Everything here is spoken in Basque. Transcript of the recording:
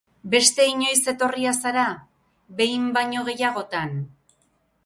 Beste inoiz etorria zara? Behin baino gehiagotan?.